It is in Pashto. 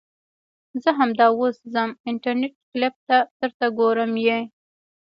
زه همدا اوس ځم انترنيټ کلپ ته درته ګورم يې .